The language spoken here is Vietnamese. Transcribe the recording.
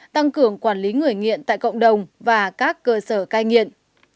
tăng cường quản lý người nghiện tại cộng đồng và các cơ sở cai nghiện